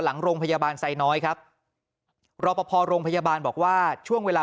หลังโรงพยาบาลไซน้อยครับรอปภโรงพยาบาลบอกว่าช่วงเวลา